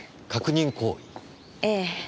ええ。